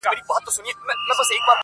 په تور لحد کي به نارې کړم،